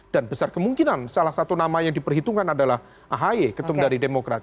dan besar kemungkinan salah satu nama yang diperhitungkan adalah ahy ketum dari demokrat